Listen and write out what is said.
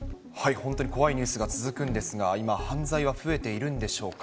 本当に怖いニュースが続くんですが、今、犯罪は増えているんでしょうか。